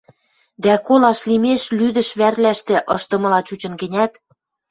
дӓ колаш лимеш лӱдӹш вӓрвлӓштӹ ышдымыла чучын гӹнят